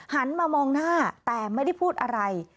หันมามองหน้าแต่ไม่ได้พูดอะไร